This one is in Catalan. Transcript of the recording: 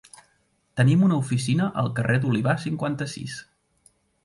Tenim una oficina al carrer de l'Olivar, cinquanta-sis.